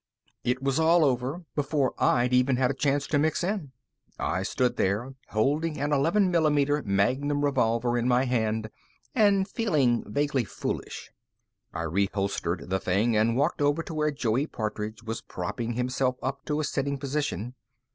It was all over before I'd even had a chance to mix in. I stood there, holding an eleven millimeter Magnum revolver in my hand and feeling vaguely foolish. I reholstered the thing and walked over to where Joey Partridge was propping himself up to a sitting position.